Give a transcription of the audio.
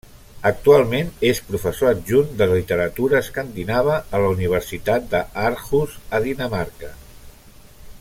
Actualment és professor adjunt de literatura escandinava a la Universitat d'Aarhus a Dinamarca.